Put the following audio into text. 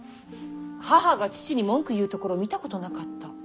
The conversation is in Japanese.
母が父に文句言うところ見たことなかった。